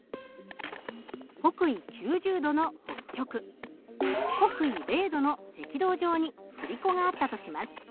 北緯９０度の北極北緯０度の赤道上に振り子があったとします。